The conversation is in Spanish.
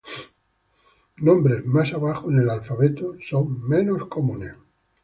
Nombres más abajo en el alfabeto son menos comunes.